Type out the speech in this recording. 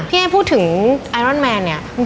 เอ๊พูดถึงไอรอนแมนเนี่ย